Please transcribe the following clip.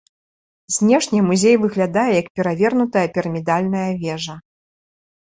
Знешне музей выглядае як перавернутая пірамідальная вежа.